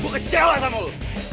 gue kecewa sama lo